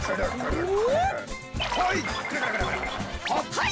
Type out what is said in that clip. はい！